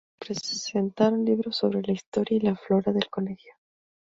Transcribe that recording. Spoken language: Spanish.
Se presentaron libros sobre la historia y la flora del colegio.